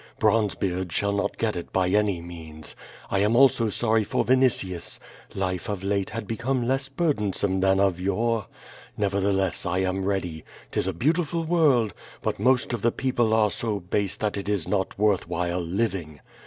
Bronzebeard shall not get it by any means. 1 am also sorry for Vinitius. Life of late had become less burdensome than of yore. Nevertheless I am ready. ^Tis a beautiful world, but most of the people are so base that it is not worth while living.